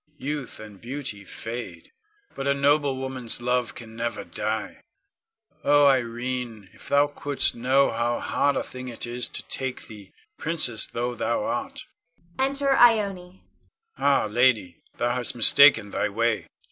Youth and beauty fade, but a noble woman's love can never die. Oh, Irene, if thou couldst know how hard a thing it is to take thee, princess though thou art! [Enter Ione.] Ah, lady, thou hast mistaken thy way!